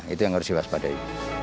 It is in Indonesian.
itu yang harus diwaspadai